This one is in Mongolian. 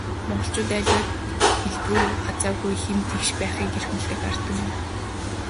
Монголчууд аливаад хэлбэрүү хазгайгүй, хэм тэгш байхыг эрхэмлэдэг ард түмэн.